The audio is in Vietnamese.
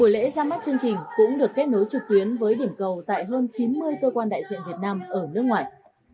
lễ ra mắt chương trình cũng được kết nối trực tuyến với điểm cầu tại hơn chín mươi cơ quan đại diện việt nam ở nước ngoài